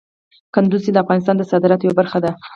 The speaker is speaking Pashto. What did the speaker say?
کندز سیند د افغانستان د صادراتو یوه برخه ده.